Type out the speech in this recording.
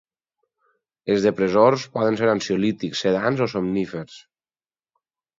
Els depressors poden ser ansiolítics, sedants o somnífers.